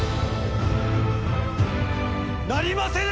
なりませぬ！